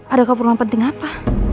ada keperluan penting apa